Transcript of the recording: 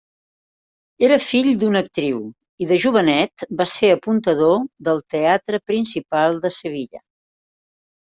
Era fill d'una actriu i de jovenet va ser apuntador del Teatre Principal de Sevilla.